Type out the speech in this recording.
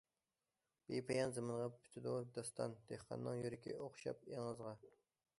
بىپايان زېمىنغا پۈتىدۇ داستان، دېھقاننىڭ يۈرىكى ئوخشاپ ئېڭىزغا.